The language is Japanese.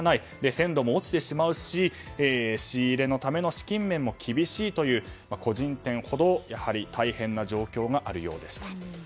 鮮度も落ちてしまうし仕入れのための資金面も厳しいという個人店ほど大変な状況があるようでした。